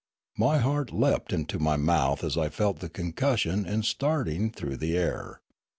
My heart leapt into my mouth as I felt the concussion in starting through the air.